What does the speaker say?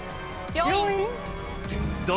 病院？